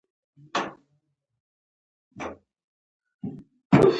عبدالله ابن مسعود وفرمایل الله اعلم وایئ.